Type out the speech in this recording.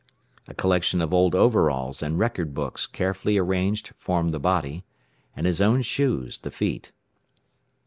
A collection of old overalls and record books carefully arranged formed the body, and his own shoes the feet.